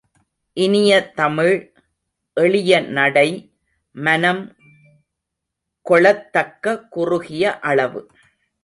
இனிய தமிழ், எளிய நடை, மனம் கொளத்தக்க குறுகிய அளவு.